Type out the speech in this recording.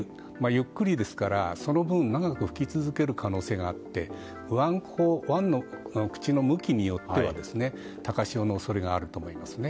ゆっくりですからその分長く吹き続ける可能性があって湾の口の向きによっては高潮の恐れがあると思いますね。